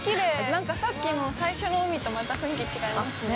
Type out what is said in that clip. なんか、さっきの最初の海とまた雰囲気違いますね。